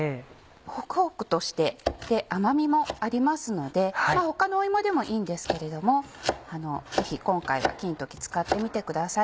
ホクホクとして甘みもありますので他の芋でもいいんですけれどもぜひ今回は金時使ってみてください。